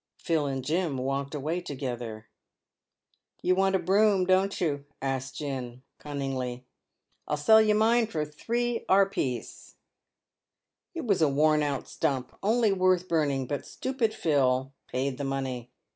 Phil and Jim walked away together. 90 PAVED WITH GOLD. "You want a broom, don't you?" asked Jim, cunningly. "I'll sell you mine for three 'arpence." It was a worn out stump, only worth burning, but stupid Phil paid the money.